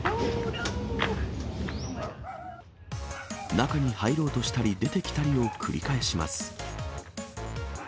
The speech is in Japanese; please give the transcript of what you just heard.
中に入ろうとしたり、出て来たりを繰り返します。